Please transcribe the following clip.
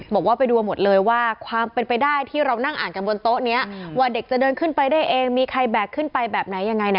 บอกว่าไปดูหมดเลยว่าความเป็นไปได้ที่เรานั่งอ่านกันบนโต๊ะนี้ว่าเด็กจะเดินขึ้นไปได้เองมีใครแบกขึ้นไปแบบไหนยังไงนะ